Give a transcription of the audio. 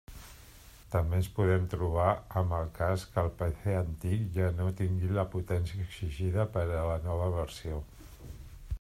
També ens podem trobar amb el cas que el PC antic ja no tingui la potència exigida per a la nova versió.